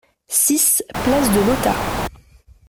six place de Lautat